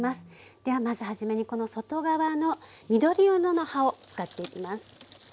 ではまず初めにこの外側の緑色の葉を使っていきます。